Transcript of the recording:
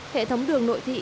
hệ thống đường nội thị